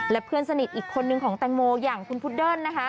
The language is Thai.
และเพื่อนสนิทอีกคนหนึ่งของแตงโมอธิบดาร์อย่างคุณปุ๊ตเดิ้ล